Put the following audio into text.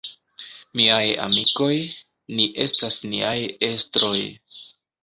Miaj amikoj, ni estas niaj estroj.